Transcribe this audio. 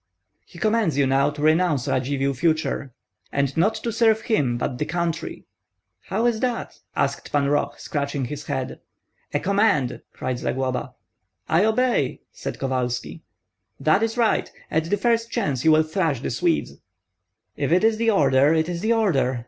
"He commands you now to renounce Radzivill for the future, and not to serve him, but the country." "How is that?" asked Pan Roh, scratching his head. "A command!" cried Zagloba. "I obey!" said Kovalski. "That is right! At the first chance you will thrash the Swedes." "If it is the order, it is the order!"